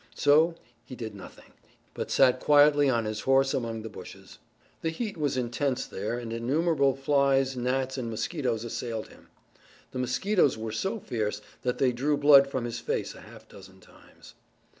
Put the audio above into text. So he did nothing, but sat quietly on his horse among the bushes. The heat was intense there and innumerable flies, gnats, and mosquitoes assailed him. The mosquitoes were so fierce that they drew blood from his face a half dozen times.